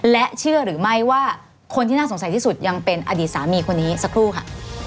และเชื่อหรือไม่ว่าคนที่น่าสงสัยที่สุดยังเป็นอดีตสามีคนนี้สักครู่ค่ะ